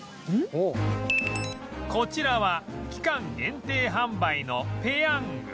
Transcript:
こちらは期間限定販売のペヤング